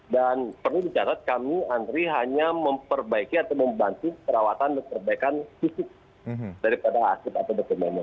dan perlu dicatat kami andri hanya memperbaiki atau membantu perawatan dan perbaikan fisik daripada arsip atau dokumennya